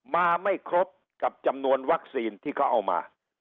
มาไม่ครบกับจำนวนวัคซีนที่เขาเอามา